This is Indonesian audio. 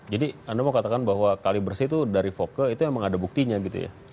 jadi anda mau katakan bahwa kali bersih itu dari voke itu memang ada buktinya gitu ya